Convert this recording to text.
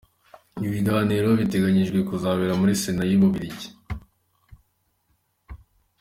Ibi biganiro biteganyijwe kuzabera muri Sena y’u Bubiligi.